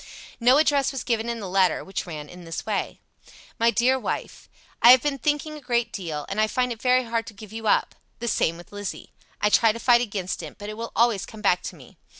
No address was given in the letter, which ran in this way: MY DEAR WIFE, "I have been thinking a great deal, and I find it very hard to give you up. The same with Lizzie. I try to fight against it, but it will always come back to me.